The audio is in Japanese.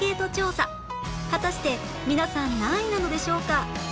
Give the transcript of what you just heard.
果たして皆さん何位なのでしょうか？